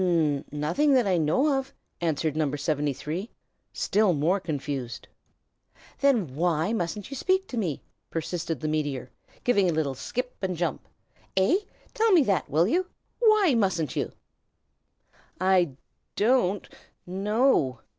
"N nothing that I know of," answered No. 73, still more confused. "Then why mustn't you speak to me?" persisted the meteor, giving a little skip and jump. "Eh? tell me that, will you? Why mustn't you?" "I don't know!"